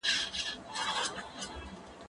ته ولي موبایل کاروې